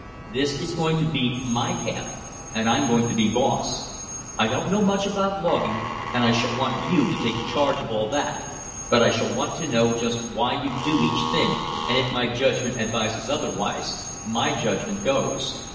This is going to be my camp, and I'm going to be boss. I don't know much about logging, and I shall want you to take charge of all that, but I shall want to know just why you do each thing, and if my judgment advises otherwise, my judgment goes.